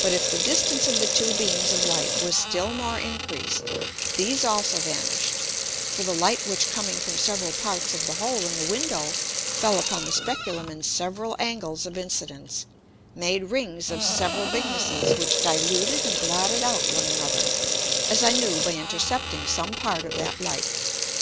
But if the distance of the two beams of Light was still more increased, these also vanished: For the Light which coming from several parts of the hole in the Window fell upon the Speculum in several Angles of Incidence, made Rings of several bignesses, which diluted and blotted out one another, as I knew by intercepting some part of that Light.